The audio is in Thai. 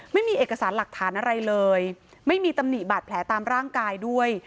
ไม่มีเอกสารหลักฐานอะไรเลยไม่มีตำหนิบาดแผลตามร่างกายด้วย